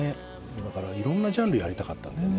だからいろんなジャンルやりたかったんだよね